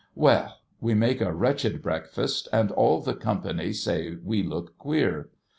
Well ! we make a wretched breakfast, and all the company say we look queer.